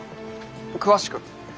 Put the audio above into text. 詳しく。